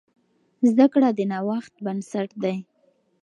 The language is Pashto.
زده کړه د نوښت بنسټ دی.